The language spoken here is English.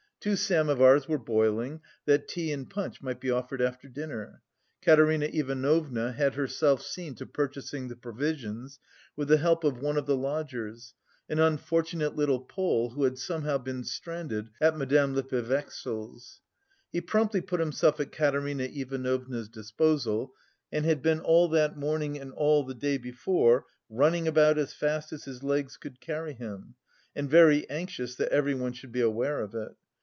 Two samovars were boiling, that tea and punch might be offered after dinner. Katerina Ivanovna had herself seen to purchasing the provisions, with the help of one of the lodgers, an unfortunate little Pole who had somehow been stranded at Madame Lippevechsel's. He promptly put himself at Katerina Ivanovna's disposal and had been all that morning and all the day before running about as fast as his legs could carry him, and very anxious that everyone should be aware of it.